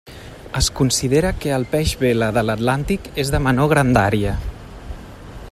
Es considera que el peix vela de l'Atlàntic és de menor grandària.